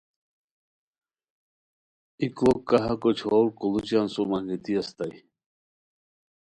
ای کڑوک کہاکو چھور کوڑوچیان سُم انگیتی استائے